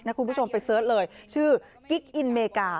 คุณผู้ชมไปเสิร์ชเลยชื่อกิ๊กอินอเมริกา